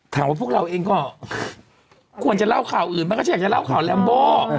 ถังว่าพวกเราเองก็ควรจะเล่าข่าวอื่นมันก็ใช่อย่างจะเล่าข่าวแลมโบ้